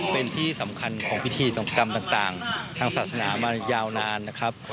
เป็นที่สำคัญของพิธีกรรมต่างทางศาสนามายาวนานนะครับ